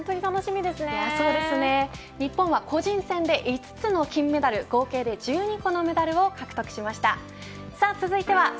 日本は個人戦で５つの金メダル合計で１２個のメダルを獲得しました。